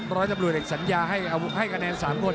ร้อยสำรวจเลขสัญญาให้กระแนน๓คน